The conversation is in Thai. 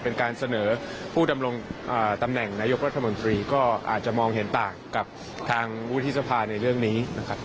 เป็นการเสนอผู้ดำรงตำแหน่งนายกรัฐมนตรีก็อาจจะมองเห็นต่างกับทางวุฒิสภาในเรื่องนี้นะครับ